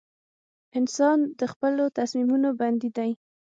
• انسان د خپلو تصمیمونو بندي دی.